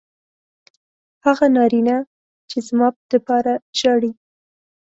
هغه نارینه چې زما دپاره ژاړي